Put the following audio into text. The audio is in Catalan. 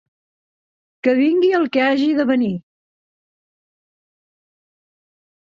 Que vingui el que hagi de venir.